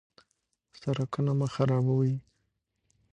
سرکونه مه خرابوئ.